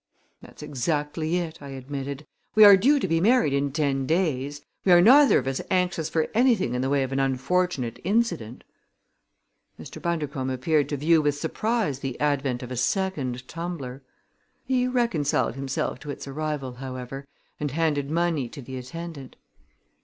"That's exactly it," I admitted. "We are due to be married in ten days. We are neither of us anxious for anything in the way of an unfortunate incident." Mr. Bundercombe appeared to view with surprise the advent of a second tumbler. He reconciled himself to its arrival, however, and handed money to the attendant.